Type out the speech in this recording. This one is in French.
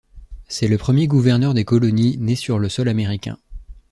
C'est le premier gouverneur des colonies né sur le sol américain.